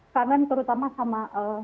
kangen terutama sama